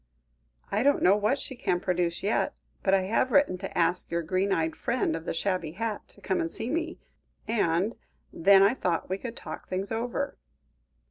"I don't know what she can produce yet, but I have written to ask your green eyed friend of the shabby hat, to come and see me, and then I thought we could talk things over."